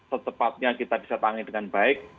setepatnya kita bisa tangani dengan baik